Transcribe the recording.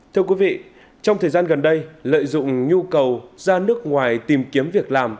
thưa quý vị trong thời gian gần đây lợi dụng nhu cầu ra nước ngoài tìm kiếm việc làm